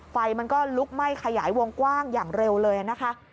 ไฟมันก็ลุกไหม้ขยายวงกว้างอย่างเร็วเลยนะคะ